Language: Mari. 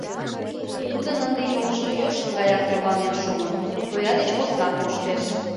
Тудын ынде йолжо йӧршын гаяк тӧрланен шуын, тоя деч поснак коштеш.